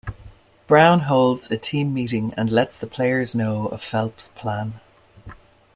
Brown holds a team meeting and lets the players know of Phelps' plan.